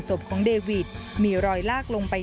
สุดท้าย